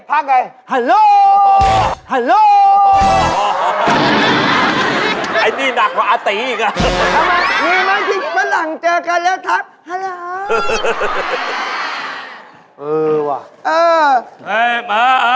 ทำไมฝรั่งถึงตาโต